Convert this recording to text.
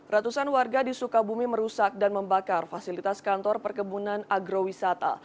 ratusan warga di sukabumi merusak dan membakar fasilitas kantor perkebunan agrowisata